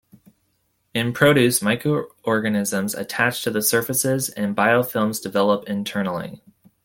In produce, microorganisms attach to the surfaces and biofilms develop internally.